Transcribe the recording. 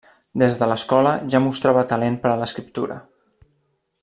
Des de l'escola ja mostrava talent per a l'escriptura.